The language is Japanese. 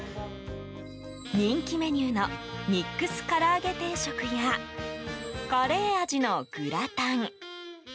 人気メニューのミックスカラアゲ定食やカレー味のグラタン